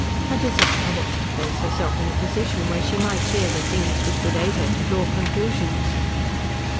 Her desire was to place herself in a position where she might hear the things which would aid her to draw conclusions.